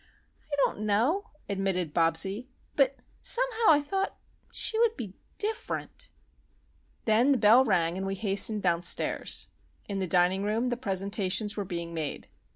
"I don't know," admitted Bobsie, "but, somehow, I thought—she would be different." Then the bell rang, and we hastened downstairs. In the dining room the presentations were being made.